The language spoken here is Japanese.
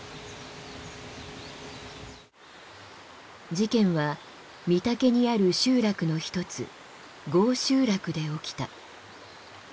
事件は金峰にある集落の一つ郷集落で起きた。